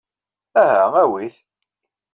Aha, awey-it.